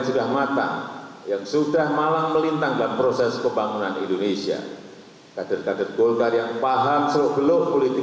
saya mengharapkan hasil terbaik akan lahir dari munas yudh golkar kali ini